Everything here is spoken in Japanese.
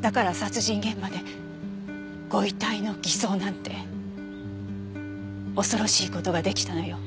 だから殺人現場でご遺体の偽装なんて恐ろしい事が出来たのよ。